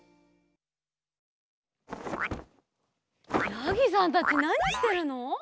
やぎさんたちなにしてるの？